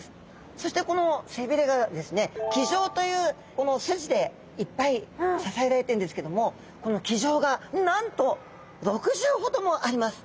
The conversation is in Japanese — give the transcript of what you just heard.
そしてこの背鰭がですね鰭条という筋でいっぱい支えられてるんですけどもこの鰭条がなんと６０ほどもあります！